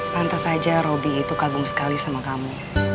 pantas aja robby itu kagum sekali sama kamu